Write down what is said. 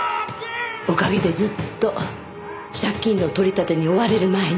おかげでずっと借金の取り立てに追われる毎日。